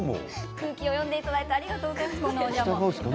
空気を読んでいただいてありがとうございます。